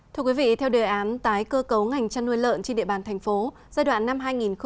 thưa quý vị theo đề án tái cơ cấu ngành chăn nuôi lợn trên địa bàn thành phố giai đoạn năm hai nghìn hai mươi một hai nghìn hai mươi